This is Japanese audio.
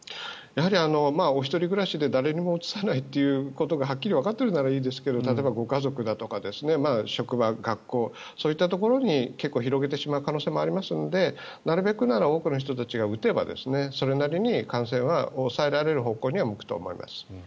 お一人暮らしで誰にもうつさないということがはっきりわかってるならいいですが例えばご家族だとか職場、学校、そういったところに広げてしまう可能性もありますのでなるべくなら多くの人たちが打てば、それなりに感染は抑えられる方向には向くと思います。